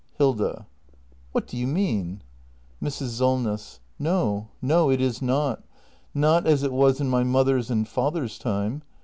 Hilda. What do you mean ? Mrs. Solness. No, no, it is not — not as it was in my mother's and father's time.